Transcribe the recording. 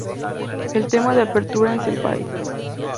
El tema de apertura es "Senpai".